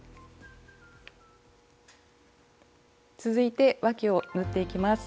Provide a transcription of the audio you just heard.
続いてわきを縫っていきます。